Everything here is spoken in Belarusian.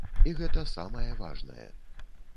І гэта самае важнае.